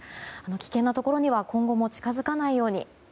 危険なところには今後も近づかないように。